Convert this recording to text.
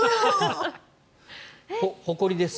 ほこりです。